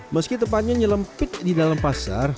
meski tempatnya nyelempit di dalam pasar